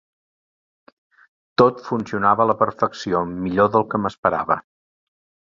Tot funcionava a la perfecció, millor del que m'esperava.